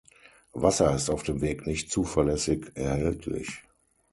Wasser ist auf dem Weg nicht zuverlässig erhältlich.